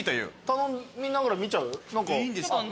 頼みながら見ちゃう？